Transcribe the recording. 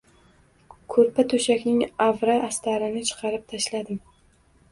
Ko`rpa-to`shakning avra-astarini chiqarib tashladim